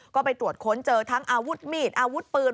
ก็ไปตรวจค้นเจอทั้งอาวุธมีดอาวุธปืน